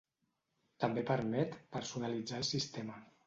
També permet personalitzar el sistema.